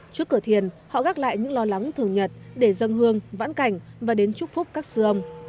trước cửa thiền họ gác lại những lo lắng thường nhật để dân hương vãn cảnh và đến trúc phúc các sư âm